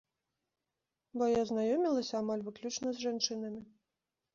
Бо я знаёмілася амаль выключна з жанчынамі.